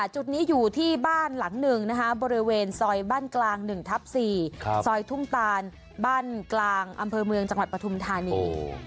จุดนี้อยู่ที่บ้านหลังหนึ่งบริเวณซอยบ้านกลาง๑ทับ๔ซอยทุ่งตานบ้านกลางอำเภอเมืองจังหวัดปฐุมธานี